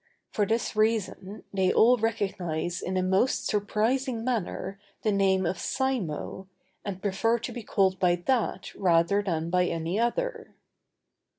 For this reason they all recognize in a most surprising manner the name of Simo, and prefer to be called by that rather than by any other.